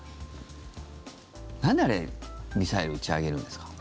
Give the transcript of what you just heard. なんで、あれミサイル打ち上げるんですか？